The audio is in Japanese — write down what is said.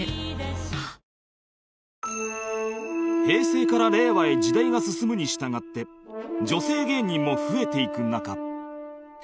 平成から令和へ時代が進むにしたがって女性芸人も増えていく中